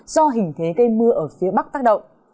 do hình thế gây mưa ở phía bắc tác động